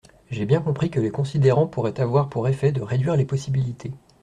J’ai bien compris que les considérants pourraient avoir pour effet de réduire les possibilités.